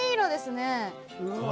うわ。